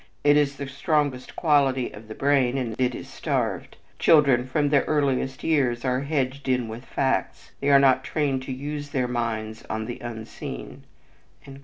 It is the strongest quality of the brain and it is starved. Children, from their earliest years, are hedged in with facts; they are not trained to use their minds on the unseen."